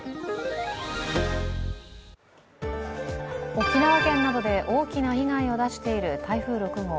沖縄県などで大きな被害を出している台風６号。